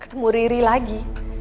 ketemu riri lagi